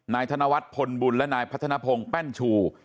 ธนวัฒน์พลบุญและนายพัฒนภงแป้นชู